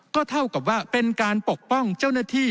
ก็เท่ากับว่าเป็นการปกป้องเจ้าหน้าที่